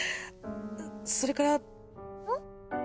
それからうん？